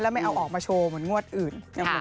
ไม่เอาออกมาโชว์เหมือนงวดอื่น